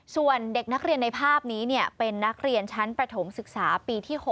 ส่วนเด็กนักเรียนในภาพนี้เป็นนักเรียนชั้นประถมศึกษาปีที่๖